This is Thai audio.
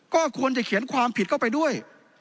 ก็ควรจะเขียนความผิดเข้าไปด้วย